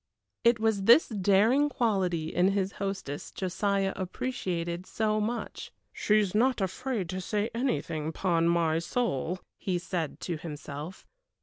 It was this daring quality in his hostess Josiah appreciated so much. "She's not afraid to say anything, 'pon my soul," he said to himself.